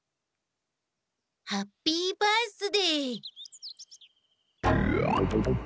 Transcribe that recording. ハッピー・バースデー！